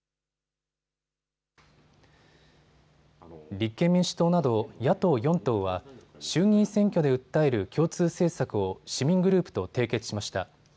立憲民主党など野党４党は衆議院選挙で訴える共通政策を市民グループと締結しました。